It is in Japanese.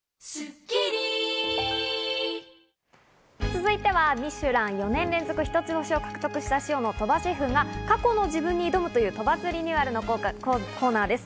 続いては、ミシュラン４年連続一ツ星を獲得したｓｉｏの鳥羽シェフが過去の自分に挑むという鳥羽’ｓリニューアルのコーナーです。